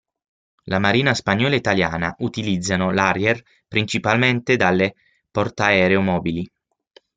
La marina spagnola e italiana utilizzano l'Harrier, principalmente dalle portaeromobili.